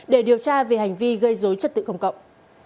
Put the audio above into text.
để điều tra về hành vi gây dối trật tự công cộng